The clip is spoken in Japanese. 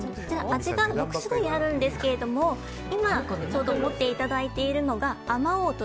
味が６種類あるんですけど今、ちょうど持っていただいているのがあまおうと